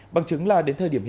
bằng chứng là đến thời gian này